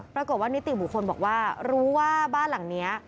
ปรากฏว่านิติบุคคลบอกว่ารู้ว่าบ้านหลังนี้